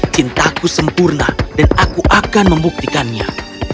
cintaku sempurna dan aku akan membuktikannya